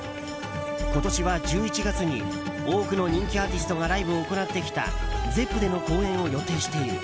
今年は１１月に多くの人気アーティストがライブを行ってきたＺｅｐｐでの公演を予定している。